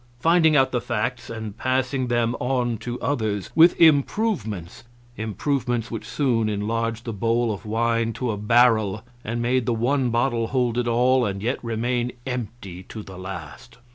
Finding out the facts and passing them on to others, with improvements improvements which soon enlarged the bowl of wine to a barrel, and made the one bottle hold it all and yet remain empty to the last.